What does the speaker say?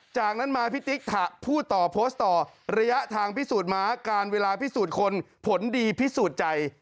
จากนั้นมาพี่ติ๊กพูดต่อโพสต์ต่อระยะทางพิสูจน์ม้าการเวลาพิสูจน์คนผลดีพิสูจน์ใจ